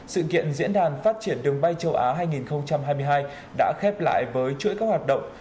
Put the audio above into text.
sự kiện diễn đàn phát triển đường bay châu á hai nghìn hai mươi hai đã khép lại với chuỗi các hoạt động